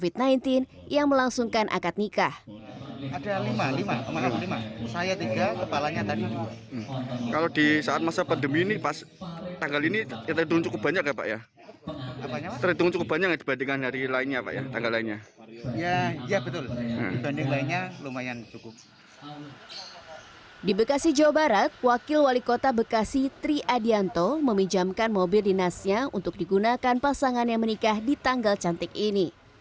di bekasi jawa barat wakil wali kota bekasi tri adianto meminjamkan mobil dinasnya untuk digunakan pasangan yang menikah di tanggal cantik ini